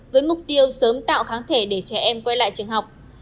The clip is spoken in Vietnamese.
với mục tiêu sớm tạo kháng thể để trẻ em quay lại trường học